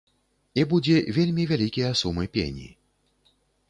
І будзе вельмі вялікія сумы пені.